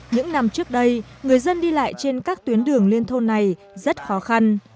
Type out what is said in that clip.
những năm trước đây người dân đi lại trên các tuyến đường liên thôn này rất khó khăn